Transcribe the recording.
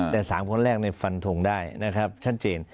แต่๓คนแรกที่และฟันทได้นะครับชัดเจน